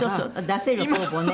出せる方々ね。